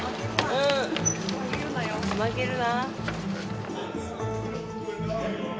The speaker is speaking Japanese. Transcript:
・負けるな。